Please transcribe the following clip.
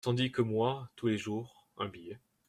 Tandis que moi… tous les jours, un billet…